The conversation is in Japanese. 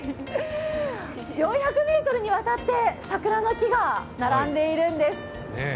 ４００ｍにわたって桜の木が並んでいるんです。